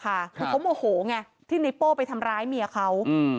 เพราะเขาโมโหไงที่ไนโป้ไปทำร้ายเมียเขาอืม